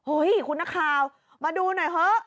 เฮ้ยคุณนักข่าวมาดูหน่อยเถอะ